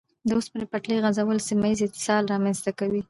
د اوسپنې پټلۍ غځول سیمه ییز اتصال رامنځته کوي.